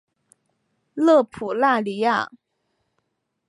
勒普拉尼亚。